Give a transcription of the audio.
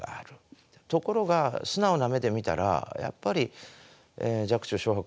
ところが素直な眼で見たらやっぱり若冲蕭白